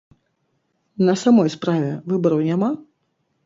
На самой справе, выбару няма?